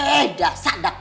eh dah sadar kok